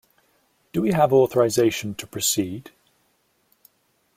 Do we have authorisation to proceed?